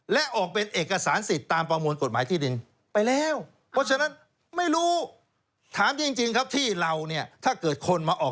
และออกเป็นเอกสารสิทธิ์ตามประมวลกฎหมายที่ดิน